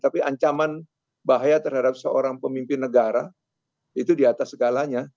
tapi ancaman bahaya terhadap seorang pemimpin negara itu di atas segalanya